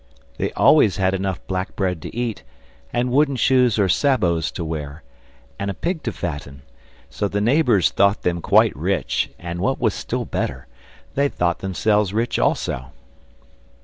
They always had enough black bread to eat, and wooden shoes or sabots to wear, and a pig to fatten, so the neighbours thought them quite rich; and what was still better, they thought themselves rich also.